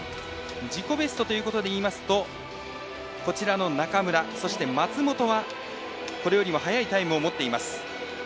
自己ベストということでいいますと中村、そして松元はこれよりも速いタイムを持っています。